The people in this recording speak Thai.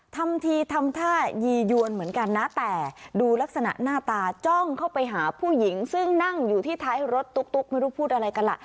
ทำทีทำท่ายียวนเหมือนกันนะแต่ดูลักษณะหน้าตาจ้องเข้าไปหาผู้หญิงซึ่งนั่งอยู่ที่ท้ายรถตุ๊กไม่รู้พูดอะไรกันล่ะ